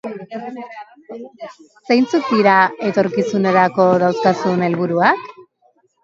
Zeintzuk dira etorkizunerako dauzkazun helburuak?